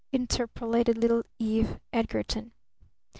interpolated little Eve Edgarton.